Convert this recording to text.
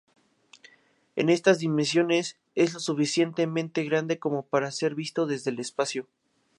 En estas dimensiones, es lo suficientemente grande como para ser visto desde el espacio.